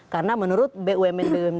karena menurut bumn bumd